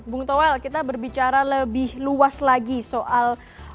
bung toel kita berbicara lebih luas lagi soal